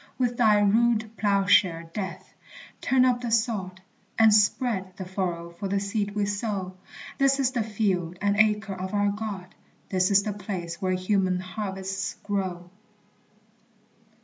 With thy rude ploughshare, Death, turn up the sod, And spread the furrow for the seed we sow; This is the field and Acre of our God, This is the place where human harvests grow!